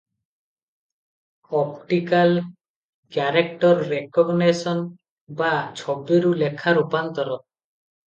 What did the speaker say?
"Optical character recognition" ବା ଛବିରୁ ଲେଖା ରୂପାନ୍ତର ।